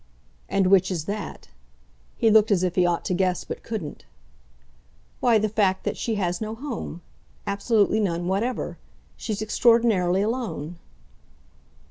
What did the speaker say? "And which is that?" He looked as if he ought to guess but couldn't. "Why, the fact that she has no home absolutely none whatever. She's extraordinarily alone."